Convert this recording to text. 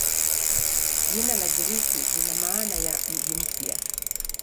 Jina la Kigiriki lina maana ya "mji mpya".